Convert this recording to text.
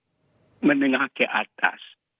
dan orang tuanya punya ekonomi menengah ke atas